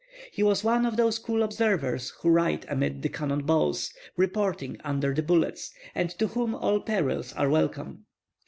He was one of those cool observers who write amid the cannon balls, "reporting" under the bullets, and to whom all perils are welcome.